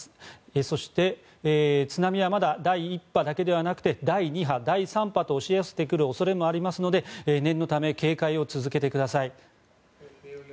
そして津波はまだ第１波だけではなくて第２波、第３波と押し寄せてくる恐れもありますので念のため警戒を続けてください。